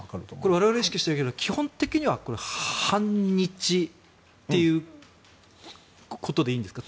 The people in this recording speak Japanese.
我々は意識しているけれど基本的には反日ということでいいんですか？